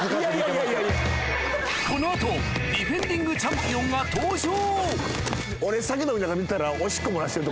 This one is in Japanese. いやいやこのあとディフェンディングチャンピオンが登場！